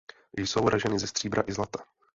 Jsou raženy ze stříbra i zlata.